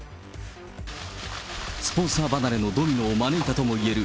スポンサー離れのドミノを招いたとされる